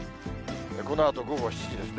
このあと午後７時ですね。